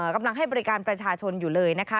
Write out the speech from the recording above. กำลังให้บริการประชาชนอยู่เลยนะคะ